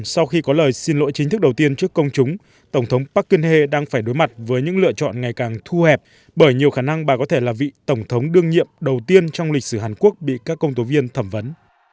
sau khi có lời xin lỗi chính thức đầu tiên trước công chúng tổng thống parken he đang phải đối mặt với những lựa chọn ngày càng thu hẹp bởi nhiều khả năng bà có thể là vị tổng thống đương nhiệm đầu tiên trong lịch sử hàn quốc bị các công tố viên thẩm vấn